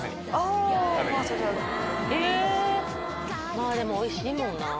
まあでも美味しいもんな。